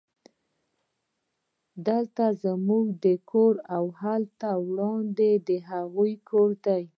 دلته زموږ کور دی او هلته وړاندې د هغوی کور دی